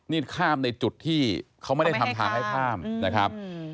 นี่ข้ามในจุดที่เขาไม่ได้ทำทางให้ข้ามนะครับ